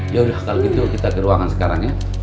yaudah kalau gitu kita ke ruangan sekarang ya